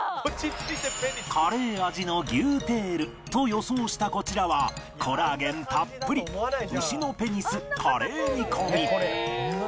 カレー味の牛テールと予想したこちらはコラーゲンたっぷり牛のペニスカレー煮込み